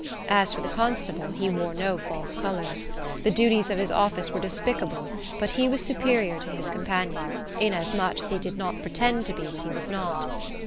As for the constable, he wore no false colors. The duties of his office were despicable, but he was superior to his companion, inasmuch as he did not pretend to be what he was not.